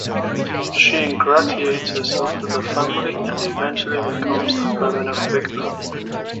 She ingratiates herself with the family and eventually becomes a permanent fixture.